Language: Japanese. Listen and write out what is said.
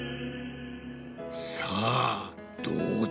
さあどうだ？